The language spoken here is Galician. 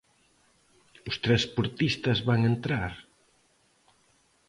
¿Os transportistas van entrar?